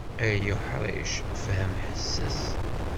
Ay uḥric fhem ḥesses.